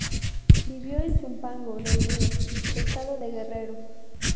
Vivió en Zumpango del Río, Estado de Guerrero.